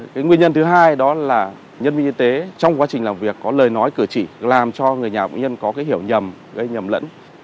cái nguyên nhân thứ hai đó là nhân viên y tế trong quá trình làm việc có lời nói cử chỉ làm cho người nhà bệnh nhân có cái hiểu nhầm gây nhầm lẫn